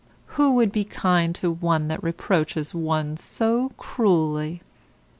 SIR, Who would be kind to one that reproaches one so cruelly?